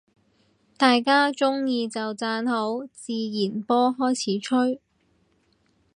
大家鍾意就讚好，自然波開始吹